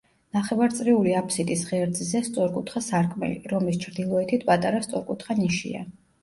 ნახევარწრიული აფსიდის ღერძზე სწორკუთხა სარკმელი, რომლის ჩრდილოეთით პატარა სწორკუთხა ნიშია.